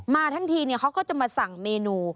ทั้งทีเขาก็จะมาสั่งเมนู